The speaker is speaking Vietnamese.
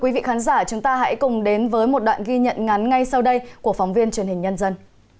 quý vị khán giả chúng ta hãy cùng đến với một đoạn ghi nhận ngắn ngay sau đây của phóng viên truyền hình nhân dân